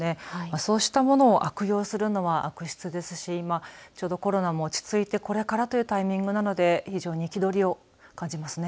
そうしたものを悪用するのは悪質ですし、今ちょうどコロナも落ち着いてこれからというタイミングなので非常に憤りを感じますね。